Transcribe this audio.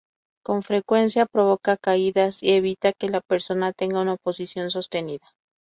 Con frecuencia provoca caídas y evita que la persona tenga una posición sostenida.